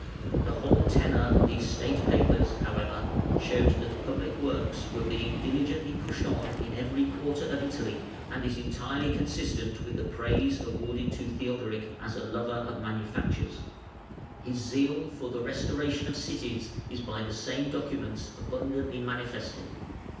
The whole tenour of these State papers, however, shows that public works were being diligently pushed on in every quarter of Italy, and is entirely consistent with the praise awarded to Theodoric "as a lover of manufactures". [Footnote 73: Cass., Var., ix., 3; iv., 30; iii., 25; ii., 23.] His zeal for the restoration of cities is by the same documents abundantly manifested.